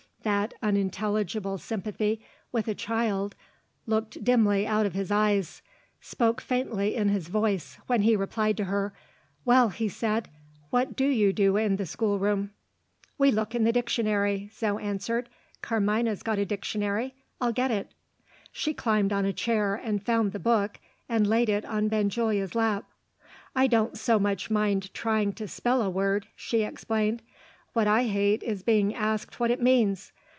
That unintelligible sympathy with a child looked dimly out of his eyes, spoke faintly in his voice, when he replied to her. "Well," he said, "what do you do in the schoolroom?" "We look in the dictionary," Zo answered. "Carmina's got a dictionary. I'll get it." She climbed on a chair, and found the book, and laid it on Benjulia's lap. "I don't so much mind trying to spell a word," she explained. "What I hate is being asked what it means.